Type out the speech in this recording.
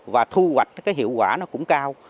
và thu hoạch cái hiệu quả nó cũng cao